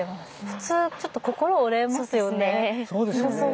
普通ちょっと心折れますよね。